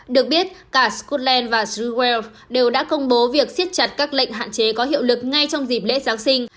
được biết cả scotland và swell đều đã công bố việc siết chặt các lệnh hạn chế có hiệu lực ngay trong dịp lễ giáng sinh